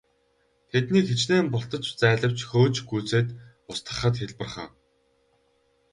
Тэднийг хэчнээн бултаж зайлавч хөөж гүйцээд устгахад хялбархан.